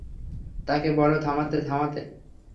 তাকে বল আমাকে থামাতে।